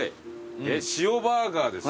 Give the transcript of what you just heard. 塩バーガーです。